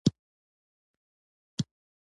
کچالو د کمزورو خلکو خوراک هم وي